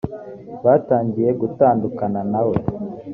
batangiye gutandukana na we